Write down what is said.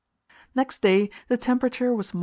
Next day the temperature was 62.